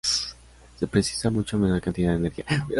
Se precisa mucha menor cantidad de energía.